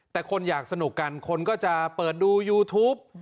แต่คนอยากสนุกกันคนก็จะเปิดดูยูทูป